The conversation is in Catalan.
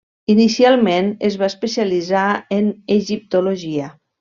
Inicialment es va especialitzar en egiptologia.